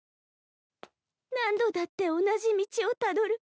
何度だって同じ道をたどる。